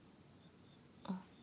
あっ。